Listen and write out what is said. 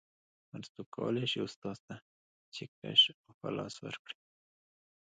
هر څوک کولی شي استاد ته چکش او پلاس ورکړي